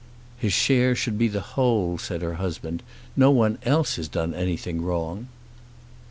"His share should be the whole," said her husband. "No one else has done anything wrong."